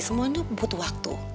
semuanya butuh waktu